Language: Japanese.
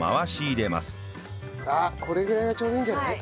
あっこれぐらいがちょうどいいんじゃない？